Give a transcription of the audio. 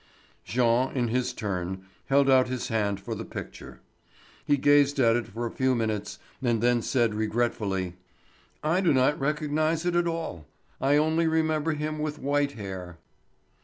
Jean, in his turn, held out his hand for the picture. He gazed at it for a few minutes and then said regretfully: "I do not recognise it at all. I only remember him with white hair."